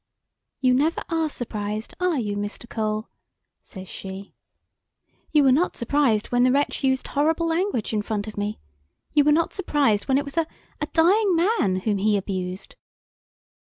"You never are surprised, are you, Mr. Cole?" says she. "You were not surprised when the wretch used horrible language in front of me! You were not surprised when it was a dying man whom he abused!"